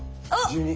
１２。